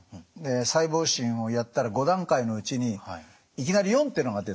細胞診をやったら５段階のうちにいきなり４ってのが出たんですね。